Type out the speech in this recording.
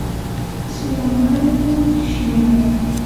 سوله مل شينوارى